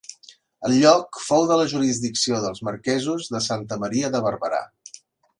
El lloc fou de la jurisdicció dels marquesos de Santa Maria de Barberà.